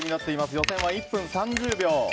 予選は１分３０秒。